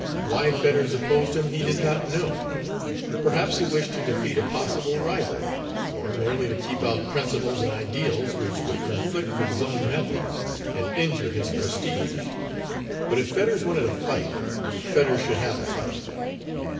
Why Fetters opposed him he did not know. Perhaps he wished to defeat a possible rival, or merely to keep out principles and ideals which would conflict with his own methods and injure his prestige. But if Fetters wanted a fight, Fetters should have a fight.